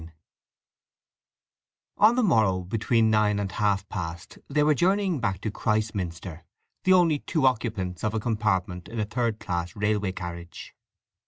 IX On the morrow between nine and half past they were journeying back to Christminster, the only two occupants of a compartment in a third class railway carriage.